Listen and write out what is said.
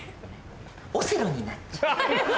オセロになっちゃった。